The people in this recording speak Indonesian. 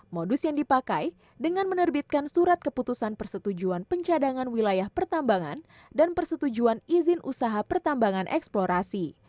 modus yang dipakai dengan menerbitkan surat keputusan persetujuan pencadangan wilayah pertambangan dan persetujuan izin usaha pertambangan eksplorasi